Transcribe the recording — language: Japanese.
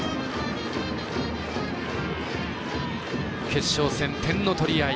決勝戦、点の取り合い。